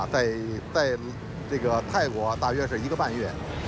ถ้าเท่าไหร่คือ๑๕วันค่อย